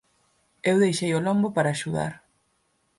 Eu deixei o lombo para axudar.